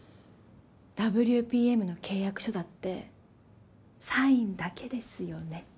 ＷＰＭの契約書だってサインだけですよね？